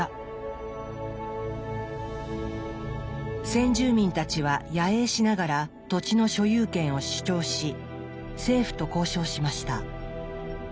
先住民たちは野営しながら土地の所有権を主張し政府と交渉しました。